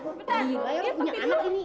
gila ya punya anak ini